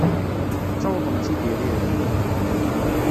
Ttawḍen-tt-id yiriran.